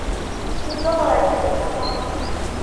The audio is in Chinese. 辛毗后来跟随曹操。